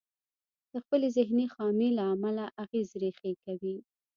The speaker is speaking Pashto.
د خپلې ذهني خامي له امله اغېز ريښې کوي.